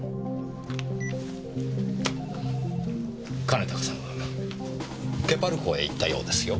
兼高さんはケパル港へ行ったようですよ。